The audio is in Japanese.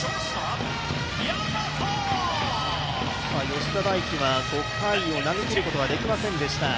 吉田大喜は５回を投げきることはできませんでした。